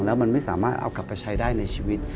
แล้วมันไม่สามารถเอากลับไปใช้ได้ในชีวิต